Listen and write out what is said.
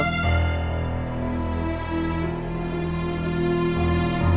kandang ini emang betul betul berharga